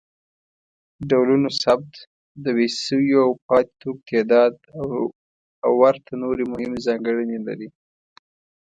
ډولونوثبت، د ویشل شویو او پاتې توکو تعداد او ورته نورې مهمې ځانګړنې لري.